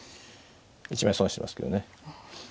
１枚損してますけどね。